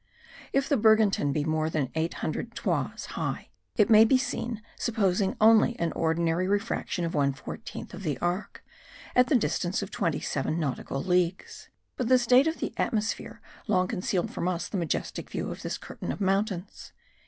If the Bergantin be more than eight hundred toises high, it may be seen supposing only an ordinary refraction of one fourteenth of the arch, at the distance of twenty seven nautical leagues; but the state of the atmosphere long concealed from us the majestic view of this curtain of mountains.